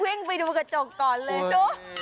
เว้ยไม่ดูกระจกก่อนเลย